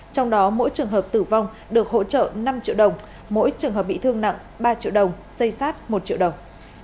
trong đó mỗi trường hợp tử vong được hỗ trợ năm triệu đồng mỗi trường hợp bị thương nặng ba triệu đồng xây sát một triệu đồng